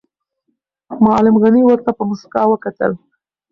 معلم غني ورته په موسکا وکتل.